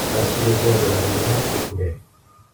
Ainsi les heures de la réunion s'écoulaient.